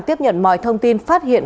tiếp nhận mọi thông tin phát hiện